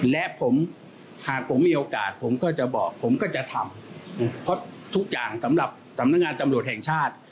และผมหากผมมีโอกาสผมก็จะบอกผมก็จะทำเพราะทุกอย่างสำหรับสำนักงานตำรวจแห่งชาติ